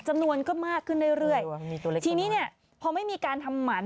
จำนวนก็มากขึ้นเรื่อยเรื่อยทีนี้เนี่ยพอไม่มีการทำหมัน